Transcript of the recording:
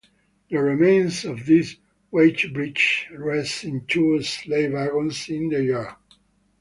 The remains of these weighbridges rest in two slate wagons in the yard.